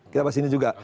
kita bahas ini juga